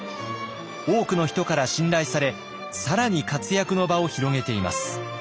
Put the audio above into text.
多くの人から信頼され更に活躍の場を広げています。